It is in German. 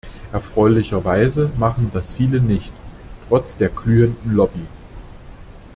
Erfreulicherweise machen das viele nicht, trotz der glühenden Lobby.